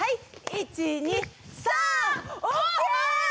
１２３！ＯＫ！